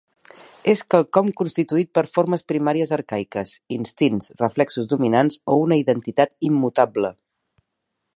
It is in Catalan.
És quelcom constituït per formes primàries arcaiques: instints, reflexos dominants o una identitat immutable.